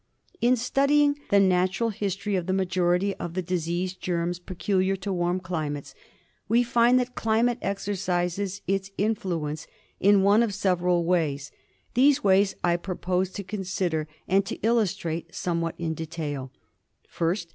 In studying the natural history of the majority of *'.••* fhe disease germs peculiar to warm climates we find that. tlimate exercises its influence in one of several ways/ These ways I prop9se to consider and to illustrate some^ what in detail :—^ 1st.